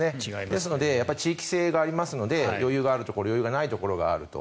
ですので、地域性がありますので余裕があるところ余裕がないところがあると。